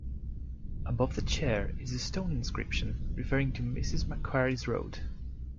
Above the chair is a stone inscription referring to Mrs Macquarie's Road.